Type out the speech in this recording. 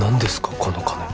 この金